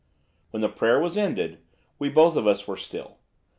When the prayer was ended, we both of us were still.